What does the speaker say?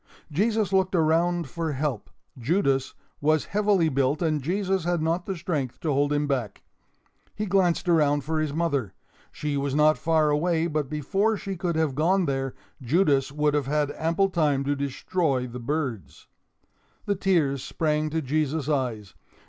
Jesus looked around for help. Judas was heavily built and Jesus had not the strength to hold him back. He glanced around for his mother. She was not far away, but before she could have gone there, Judas would have had ample time to destroy the birds. The tears sprang to Jesus' eyes.